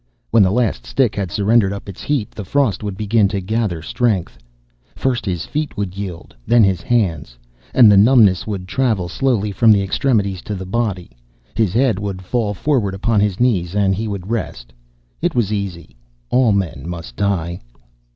When the last stick had surrendered up its heat, the frost would begin to gather strength. First his feet would yield, then his hands; and the numbness would travel, slowly, from the extremities to the body. His head would fall forward upon his knees, and he would rest. It was easy. All men must die.